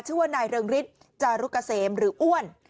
ชื่อว่านายเริงฤทธิ์จารุกเกษมหรืออ้วน